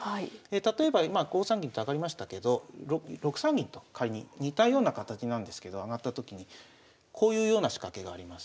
例えば５三銀と上がりましたけど６三銀と仮に似たような形なんですけど上がったときにこういうような仕掛けがあります。